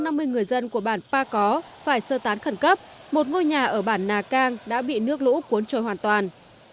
năm mươi người dân của bản pa có phải sơ tán khẩn cấp một ngôi nhà ở bản nà cang đã bị nước lũ cuốn trôi hoàn toàn